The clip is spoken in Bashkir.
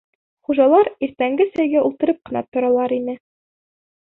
Хужалар иртәнге сәйгә ултырып ҡына торалар ине.